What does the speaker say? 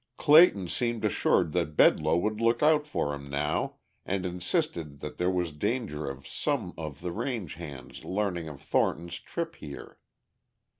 Clayton seemed assured that Bedloe would look out for him now and insisted that there was danger of some of the range hands learning of Thornton's trips here.